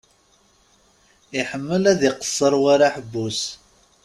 Iḥemmel ad iqesser war aḥebbus.